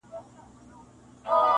• تېرول چي مي کلونه هغه نه یم -